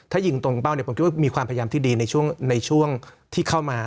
ถ้ายิงตรงเป้าเนี่ยผมคิดว่ามีความพยายามที่ดีในช่วงที่เข้ามา